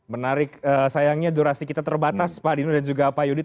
menarik sayangnya durasi kita terbatas pak dino dan juga pak yudi